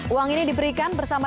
uang ini diberikan bersama